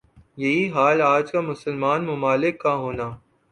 یہی حال آج کا مسلمان ممالک کا ہونا